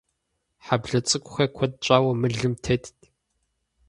Хьэблэ цӀыкӀухэр куэд щӀауэ мылым тетт.